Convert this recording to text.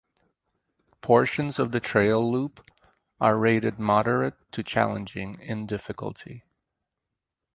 Portions of the trail loop are rated moderate to challenging in difficulty.